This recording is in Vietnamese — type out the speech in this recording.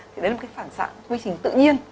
thì đấy là một cái phản xạ quy trình tự nhiên